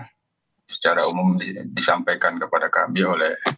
secara umum disampaikan kepada kami oleh